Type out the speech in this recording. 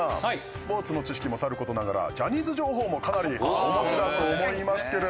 スポーツの知識もさる事ながらジャニーズ情報もかなりお持ちだと思いますけれども。